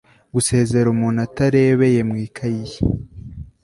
Gusezera umuntu atarebeye mu ikayi ye